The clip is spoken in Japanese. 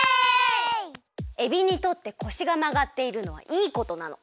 えびにとって腰がまがっているのはいいことなの。